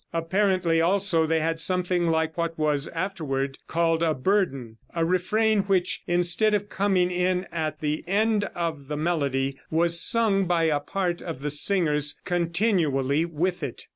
Apparently also they had something like what was afterward called a burden, a refrain which, instead of coming in at the end of the melody, was sung by a part of the singers continually with it.